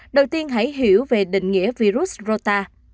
đầu tiên hãy hiểu về định nghĩa virus rota